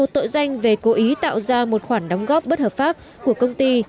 một tội danh về cố ý tạo ra một khoản đóng góp bất hợp pháp của công ty